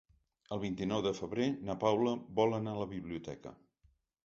El vint-i-nou de febrer na Paula vol anar a la biblioteca.